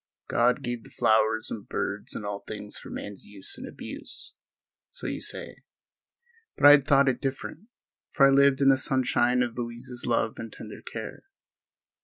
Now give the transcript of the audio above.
"God gave the flowers and birds and all things for man's use and abuse," so you say; but I had thought it different, for I lived in the sunshine of Louise's love and tender care.